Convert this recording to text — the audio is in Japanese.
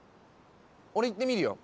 俺言ってみるよ。